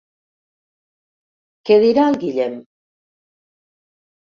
Què dirà el Guillem?